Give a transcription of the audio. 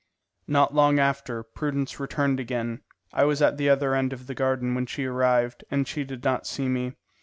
Not long after, Prudence returned again. I was at the other end of the garden when she arrived, and she did not see me.